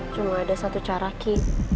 cuma ada satu cara kick